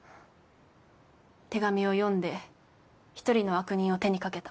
手紙を読んで一人の悪人を手にかけた。